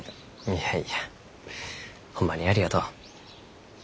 いやいやホンマにありがとう。